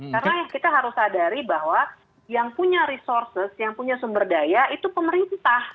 karena kita harus sadari bahwa yang punya resources yang punya sumber daya itu pemerintah